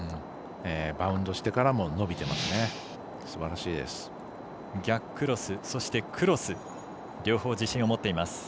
バウンドしてからも伸びてますね。